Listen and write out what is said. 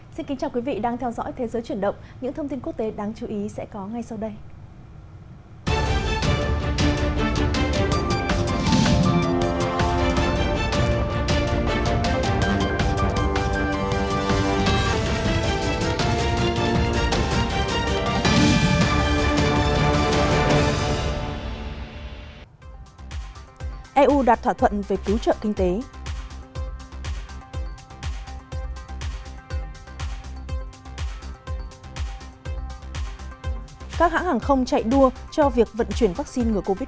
xin kính chào quý vị đang theo dõi thế giới chuyển động những thông tin quốc tế đáng chú ý sẽ có ngay sau đây